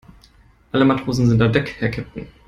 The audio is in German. Alle Matrosen sind an Deck, Herr Kapitän.